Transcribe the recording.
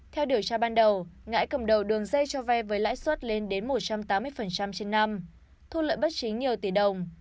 theo điều tra ban đầu ngãi cầm đầu đường dây cho vay với lãi suất lên đến một trăm tám mươi trên năm thu lợi bất chính nhiều tỷ đồng